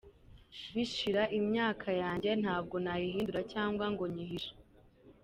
Bishira: Imyaka yanjye ntabwo nayihindura cyangwa ngo nyihishe.